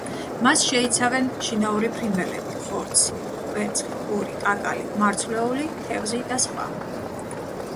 მას შეიცავენ შინაური ფრინველები, ხორცი, კვერცხი, პური, კაკალი, მარცვლეული, თევზი და სხვა.